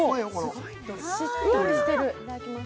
しっとりしてる。